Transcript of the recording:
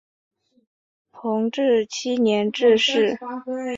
弘治七年致仕。